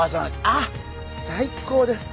あっ最高です！